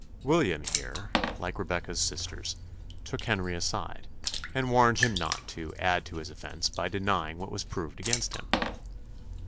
William here, like Rebecca's sisters, took Henry aside, and warned him not to "add to his offence by denying what was proved against him."